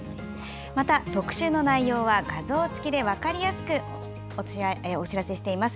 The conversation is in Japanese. また、特集の内容は画像付きで分かりやすくお知らせしています。